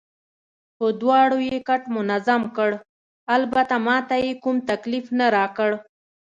په دواړو یې کټ منظم کړ، البته ما ته یې کوم تکلیف نه راکړ.